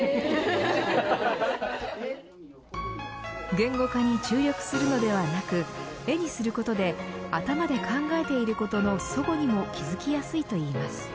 言語化に注力するのではなく絵にすることで頭で考えていることのそごにも気づきやすいといいます。